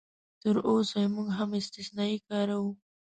تراوسه یې موږ هم استثنایي کاروو.